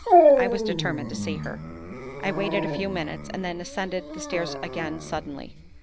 I was determined to see her. I waited a few minutes, and then ascended the stairs again suddenly.